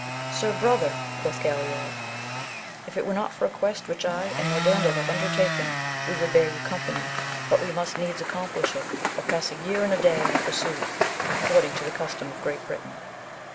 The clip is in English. Sir brother, quoth Galaor, if it were not for a quest which I and Nwan del have undertaken, we would bear you company, but we must needs accomplish it, or pass a year and a day in the pursuit, according to the custom of Great Britain.